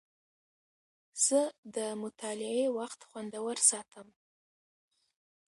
زه د مطالعې وخت خوندور ساتم.